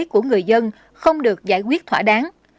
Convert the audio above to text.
của người dân không được giải quyết thỏa đáng